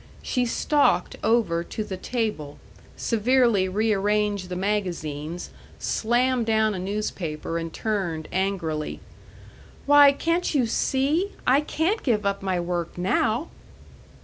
She stalked over to the table, severely rearranged the magazines, slammed down a newspaper, and turned, angrily. "Why, can't you see? I can't give up my work now."